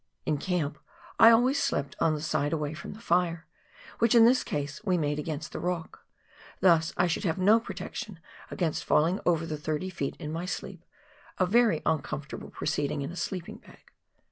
In camp I always slept on the side away from the fire, which in this case we made against the rock ; thus I should have no protection against falling over the thirty feet in my sleep — a very uncomfortable proceeding in a sleejaing bag.